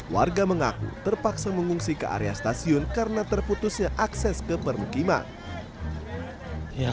warga mengaku terpaksa mengungsi ke area stasiun karena terputusnya akses ke permukiman